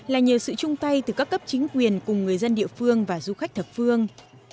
là nhờ sự chung tay từ các cấp chính quyền cùng người dân địa phương và du khách thập phương